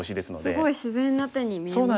すごい自然な手に見えますよね。